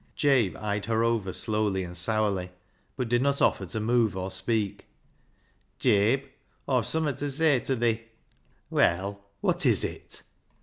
Jabe eyed her over slowly and sourly, but did not offer to move or speak. "Jabe, Aw've summat ta say ta thi," " \Vell, wot is it